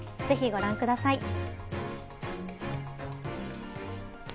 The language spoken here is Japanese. ぜひご覧ください。